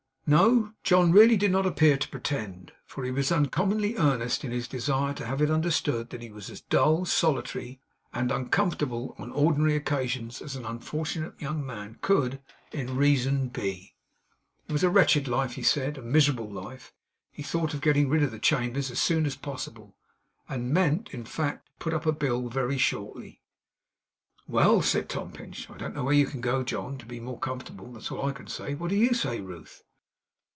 No, John really did not appear to pretend; for he was uncommonly earnest in his desire to have it understood that he was as dull, solitary, and uncomfortable on ordinary occasions as an unfortunate young man could, in reason, be. It was a wretched life, he said, a miserable life. He thought of getting rid of the chambers as soon as possible; and meant, in fact, to put a bill up very shortly. 'Well' said Tom Pinch, 'I don't know where you can go, John, to be more comfortable. That's all I can say. What do YOU say, Ruth?